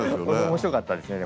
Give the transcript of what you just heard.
面白かったですね。